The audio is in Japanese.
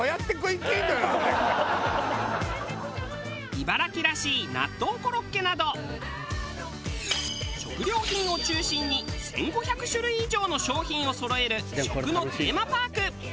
茨城らしい納豆コロッケなど食料品を中心に１５００種類以上の商品をそろえる食のテーマパーク。